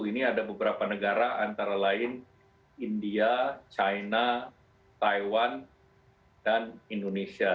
ini ada beberapa negara antara lain india china taiwan dan indonesia